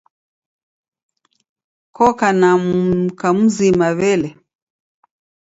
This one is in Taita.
Koka na mka mzima wele?